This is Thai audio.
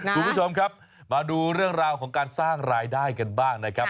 คุณผู้ชมครับมาดูเรื่องราวของการสร้างรายได้กันบ้างนะครับ